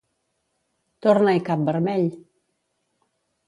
Torna-hi, cap vermell!